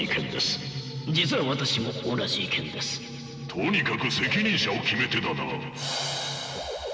とにかく責任者を決めてだな。